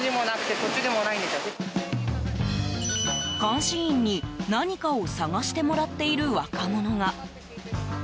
監視員に、何かを探してもらっている若者が。